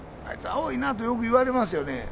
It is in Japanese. あいつ青いなーとよくいわれますよね。